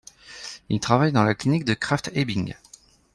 Il travaille dans la clinique de Krafft-Ebing.